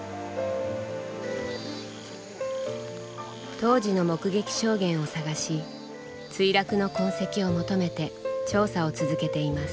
当時の目撃証言を探し墜落の痕跡を求めて調査を続けています。